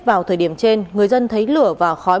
vào thời điểm trên người dân thấy lửa và khói